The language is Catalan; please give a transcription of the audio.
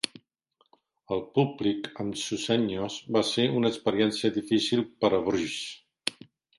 El públic amb Susenyos va ser una experiència difícil per a Bruce.